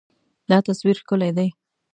دا تصویر ښکلی دی.